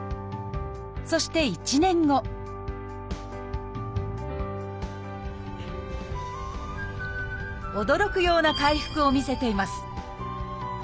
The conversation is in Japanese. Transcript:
そして驚くような回復を見せています